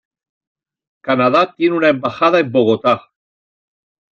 Canadá tiene una embajada en Bogotá.